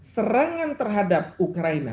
serangan terhadap ukraina